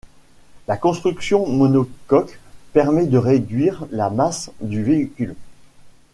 La construction monocoque permet de réduire la masse du véhicule.